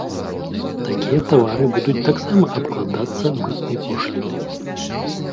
Такія тавары будуць таксама абкладацца мытнай пошлінай.